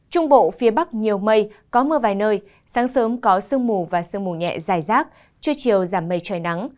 trung bộ phía bắc nhiều mây có mưa vài nơi sáng sớm có sương mù và sương mù nhẹ dài rác trưa chiều giảm mây trời nắng